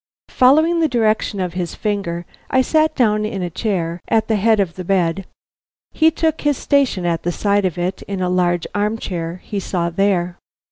Following the direction of his finger, I sat down in a chair at the head of the bed; he took his station at the side of it in a large arm chair he saw there.